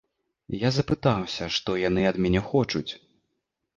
Я запытаўся, што яны ад мяне хочуць.